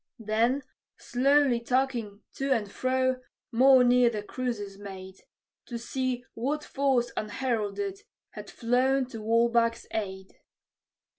Then, slowly tacking to and fro, more near the cruisers made, To see what force unheralded had flown to Walbach's aid.